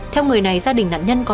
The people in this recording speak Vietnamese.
theo người này gia đình nạn nhân có